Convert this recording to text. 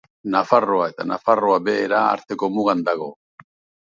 Nafarroa eta Nafarroa Beherea arteko mugan dago.